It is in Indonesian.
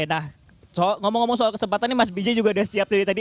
nah ngomong ngomong soal kesempatan ini mas biji juga sudah siap dari tadi